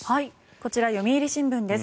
こちら、読売新聞です。